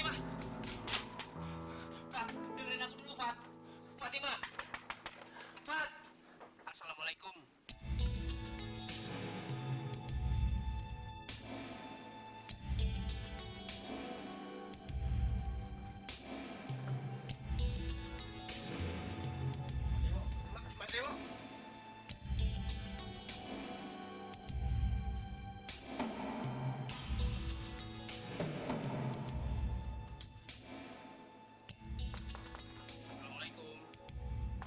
mas gak mungkin aku menikah sama orang yang nyakitin aku sama keluarga ku